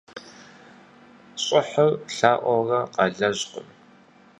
ЩӀыхьыр лъаӀуэурэ къалэжькъым.